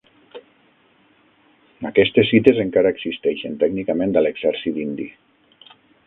Aquestes cites encara existeixen tècnicament a l'exèrcit indi.